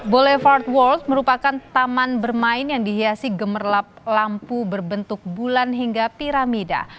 bole part walt merupakan taman bermain yang dihiasi gemerlap lampu berbentuk bulan hingga piramida